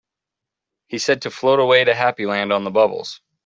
He said to float away to Happy Land on the bubbles.